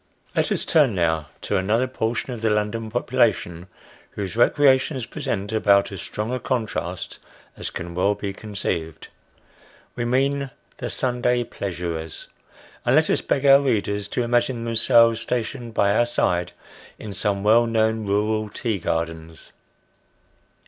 Let us turn now, to another portion of the London population, whose recreations present about as strong a contrast as can well be conceived we mean the Sunday pleasurers; and let us beg our readers to 7<D Sketches by J3oz. imagine themselves stationed by our side in some well known rural " Tea gardens."